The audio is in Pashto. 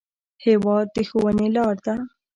هېواد د ښوونې لار ده.